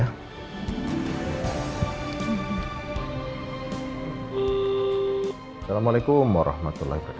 assalamualaikum warahmatullahi wabarakatuh